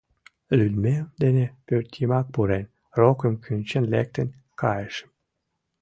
Лӱдмем дене пӧртйымак пурен, рокым кӱнчен лектын кайышым.